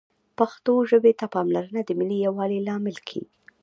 پښتو ژبې ته پاملرنه د ملي یووالي لامل کېږي